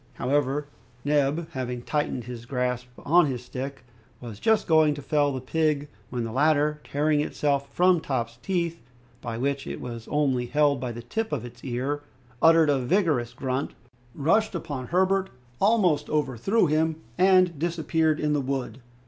However, Neb having tightened his grasp on his stick, was just going to fell the pig, when the latter, tearing itself from Top's teeth, by which it was only held by the tip of its ear, uttered a vigorous grunt, rushed upon Herbert, almost overthrew him, and disappeared in the wood.